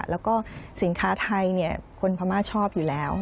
แล้วก็สินค้าไทยคนพม่าชอบอยู่แล้ว